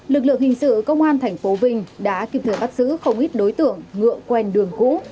lực lượng hình sự công an tp vinh đã kịp thời bắt giữ không ít đối tượng ngựa quen đường cũ